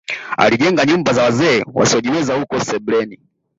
Alijenga nyumba za wazee wasiojiweza huko sebleni